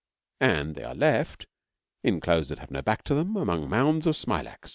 And they are left in clothes that have no back to them, among mounds of smilax.